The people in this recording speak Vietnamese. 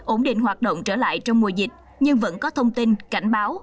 ổn định hoạt động trở lại trong mùa dịch nhưng vẫn có thông tin cảnh báo